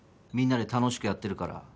みんなで楽しくやってるから。